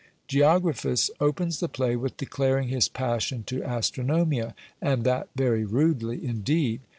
Geographus opens the play with declaring his passion to Astronomia, and that very rudely indeed!